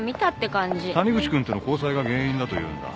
谷口君との交際が原因だというんだ。